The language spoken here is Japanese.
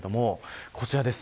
こちらです。